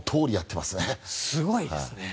すごいですね。